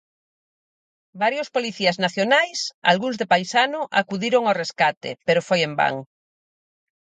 Varios policías nacionais, algúns de paisano, acudiron ao rescate, pero foi en van.